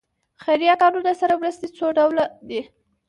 خیریه کارونو سره مرستې څو ډوله دي.